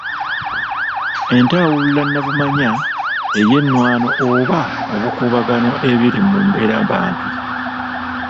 Entawulula nnabumanya ey’ennwano oba obukuubagano ebiri mu mbeerabantu.